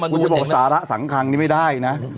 คุณจะบอกสาระสำคัญนี่ไม่ได้นะ